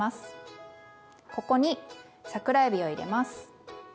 ここに桜えびを入れます。